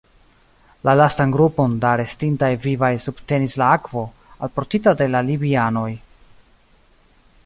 La lastan grupon da restintaj vivaj subtenis la akvo, alportita de la libianoj.